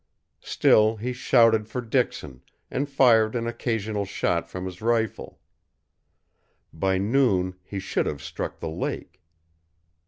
Still he shouted for Dixon, and fired an occasional shot from his rifle. By noon he should have struck the lake.